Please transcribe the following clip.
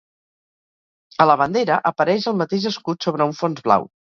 A la bandera apareix el mateix escut sobre un fons blau.